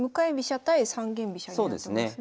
対三間飛車になってますね。